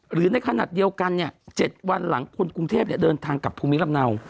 หรือในขณะเดียวกัน๗วันหลังคนกรุงเทพเดินทางกับภูมิลำเนา